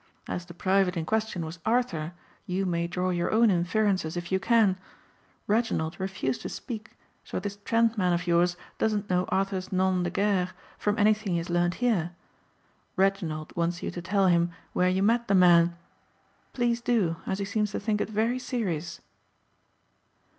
As the private in question was Arthur you may draw your own inferences if you can. Reginald refused to speak so this Trent man of yours doesn't know Arthur's nom de guerre from anything he has learned here. Reginald wants you to tell him where you met the man. Please do as he seems to think it very serious."